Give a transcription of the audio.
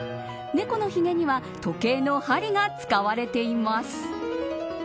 猫のひげには時計の針が使われています。